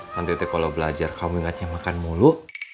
nanti teh kalo belajar kamu ingatnya makan mulu